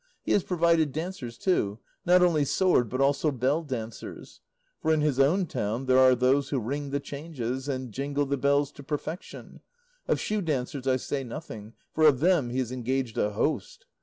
He has provided dancers too, not only sword but also bell dancers, for in his own town there are those who ring the changes and jingle the bells to perfection; of shoe dancers I say nothing, for of them he has engaged a host.